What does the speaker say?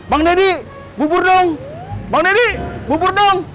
bang deddy bubur dong bang deddy bubur dong